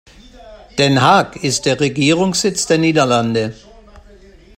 Den Haag ist der Regierungssitz der Niederlande.